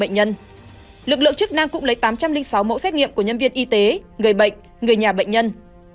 lực lượng chức năng cũng lấy tám trăm linh sáu mẫu xét nghiệm của nhân viên y tế người bệnh người nhà bệnh nhân